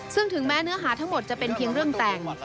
ซึ่งถึงแม้เนื้อหาทั้งหมดจะเป็นเพียงเรื่องแต่ง